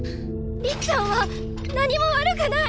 りっちゃんは何も悪くない！